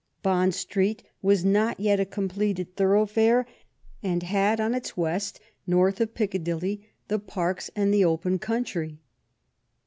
Bond Street was not yet a com pleted thoroughfare, and had on its west, north of Piccadilly, the parks and the open country.